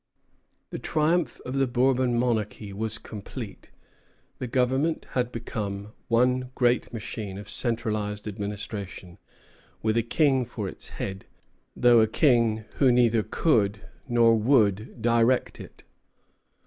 The triumph of the Bourbon monarchy was complete. The government had become one great machine of centralized administration, with a king for its head; though a king who neither could nor would direct it.